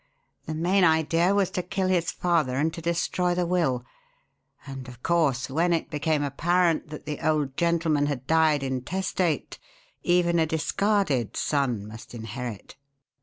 The main idea was to kill his father and to destroy the will; and of course, when it became apparent that the old gentleman had died intestate, even a discarded son must inherit.